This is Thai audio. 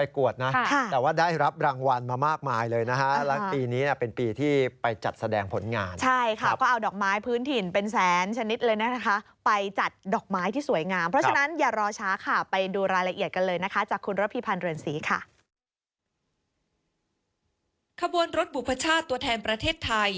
ขบวนรถบุพชาติตัวแทนประเทศไทย